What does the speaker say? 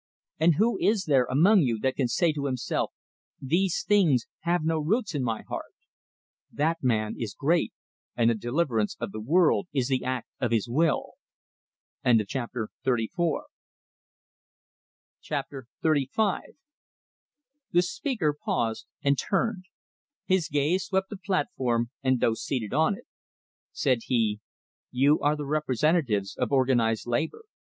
And who is there among you that can say to himself, these things have no roots in my heart? That man is great, and the deliverance of the world is the act of his will." XXXV The speaker paused, and turned; his gaze swept the platform, and those seated on it. Said he: "You are the representatives of organized labor.